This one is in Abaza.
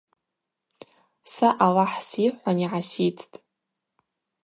Са Аллахӏ сйыхӏван – йгӏаситтӏ.